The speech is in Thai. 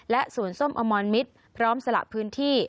สวนส้มอมรมิตรพร้อมสละพื้นที่